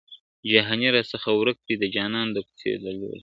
جهاني را څخه ورک دی د جانان د کوڅې لوری `